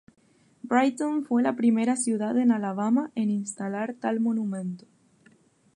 Brighton fue la primera ciudad en Alabama en instalar tal monumento.